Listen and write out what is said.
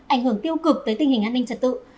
ảnh hưởng tiêu cực tới tình hình an ninh trật tự